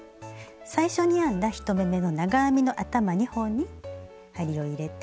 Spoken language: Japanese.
最初に編んだ１目めの長編みの頭２本に針を入れて。